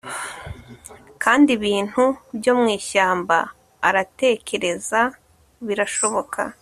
Kandi ibintu byo mwishyamba aratekereza Birashoboka